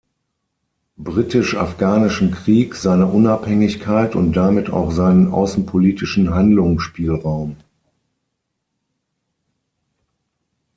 Britisch-Afghanischen Krieg seine Unabhängigkeit und damit auch seinen außenpolitischen Handlungsspielraum.